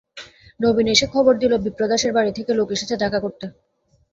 নবীন এসে খবর দিলে বিপ্রদাসের বাড়ি থেকে লোক এসেছে দেখা করতে।